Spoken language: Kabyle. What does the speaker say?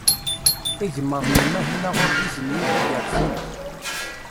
Igmaḍ n umahil aɣurbiz n Yuba gerrzen.